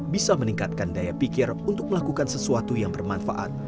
bisa meningkatkan daya pikir untuk melakukan sesuatu yang bermanfaat